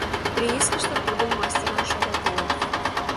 Приискыште тудым мастерлан шогалтеныт.